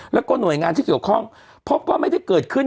แล้วก็หน่วยงานที่เกี่ยวข้องพบว่าไม่ได้เกิดขึ้น